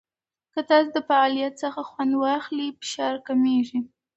که تاسو د فعالیت څخه خوند واخلئ، فشار کمېږي.